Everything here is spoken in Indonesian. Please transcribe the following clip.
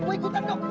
eh eh aduh